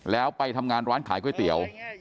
แล้วไปทำงานร้านขายก๋วยเตี๋ยว